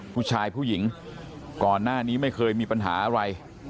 ผู้หญิงก่อนหน้านี้ไม่เคยมีปัญหาอะไร